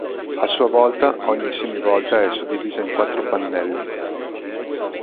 A sua volta ogni semi-volta è suddivisa in quattro pannelli.